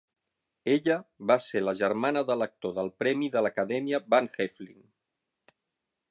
Ella va ser la germana de l'actor del premi de l'Acadèmia Van Heflin.